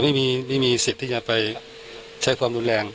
ไม่มีสิทธิ์ที่จะไปใช้ความรุนแรง